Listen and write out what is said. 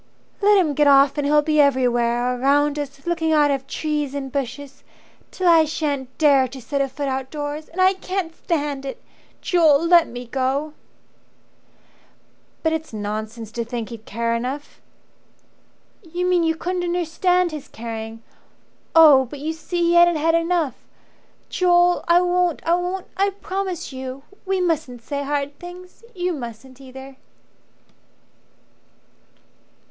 Let him get off and he'll be everywhere Around us, looking out of trees and bushes Till I sha'n't dare to set a foot outdoors. And I can't stand it. Joel, let me go!" "But it's nonsense to think he'd care enough." "You mean you couldn't understand his caring. Oh, but you see he hadn't had enough Joel, I won't I won't I promise you. We mustn't say hard things. You mustn't either."